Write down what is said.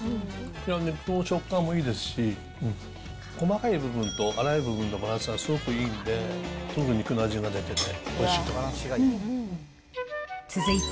肉の食感もいいですし、細かい部分と粗い部分のバランスがすごくいいんで、肉の味が出て続いて、